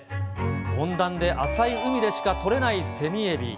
温暖で浅い海でしか取れないセミエビ。